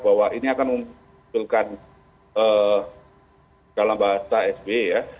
bahwa ini akan memunculkan dalam bahasa sby ya